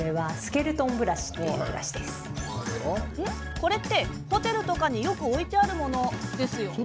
これってホテルとかによく置いてあるもの、ですよね？